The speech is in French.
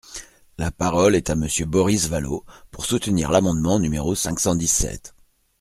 La parole est à Monsieur Boris Vallaud, pour soutenir l’amendement numéro cinq cent dix-sept.